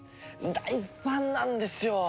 大ファンなんですよ！